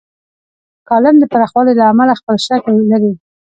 کالم د پراخوالي له امله خپل شکل لري.